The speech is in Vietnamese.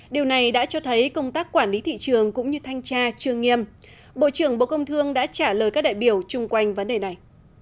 điều này đã cho thấy công tác quản lý thị trường cũng như thanh tra chưa nghiêm bộ trưởng bộ công thương đã trả lời các đại biểu chung quanh vấn đề này